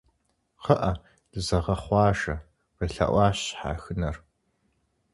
КхъыӀэ, дызэгъэхъуажэ, къелъэӀуащ щхьэхынэр.